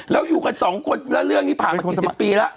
แล้วอยู่กันสองคนแล้วเรื่องนี้ผ่านมากี่สิบปีแล้ว